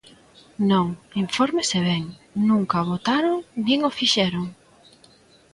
Non, infórmese ben, ¡nunca o votaron nin o fixeron!